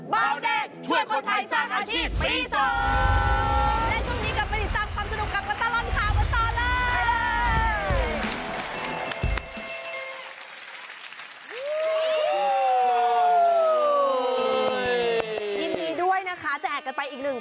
เบาเด็กช่วยคนไทยสร้างอาชีพปี๒